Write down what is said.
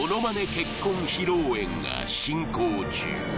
結婚披露宴が進行中